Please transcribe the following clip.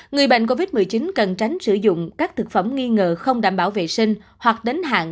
người bệnh covid một mươi chín cần tránh sử dụng các thực phẩm nghi ngờ không đảm bảo vệ sinh hoặc đến hạn